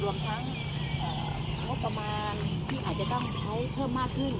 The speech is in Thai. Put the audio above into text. รวมทั้งงบประมาณที่อาจจะต้องใช้เพิ่มมากขึ้น